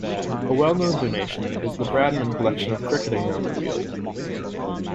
A well known donation is the Bradman Collection of cricketing memorabilia.